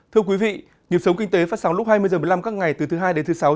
thưa quý vị nhiệm sống kinh tế phát sóng lúc hai mươi h một mươi năm các ngày từ thứ hai đến thứ sáu